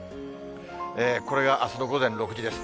これがあすの午前６時です。